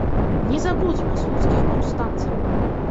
Не забудзьма слуцкіх паўстанцаў!